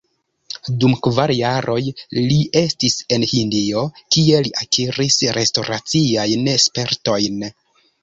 Dum kvar jaroj li estis en Hindio, kie li akiris restoraciajn spertojn.